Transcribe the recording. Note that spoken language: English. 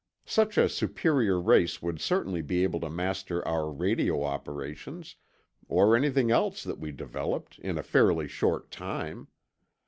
Such a superior race would certainly be able to master our radio operations, or anything else that we had developed, in a fairly short time.